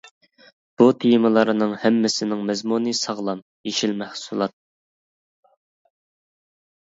بۇ تېمىلارنىڭ ھەممىسىنىڭ مەزمۇنى ساغلام، يېشىل مەھسۇلات.